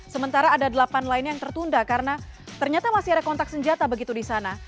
sementara ada delapan lainnya yang tertunda karena ternyata masih ada kontak senjata begitu di sana